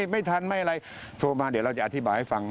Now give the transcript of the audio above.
ไม่ทันไม่อะไรโทรมาเดี๋ยวเราจะอธิบายให้ฟัง